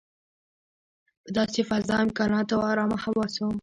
په داسې فضا، امکاناتو او ارامه حواسو.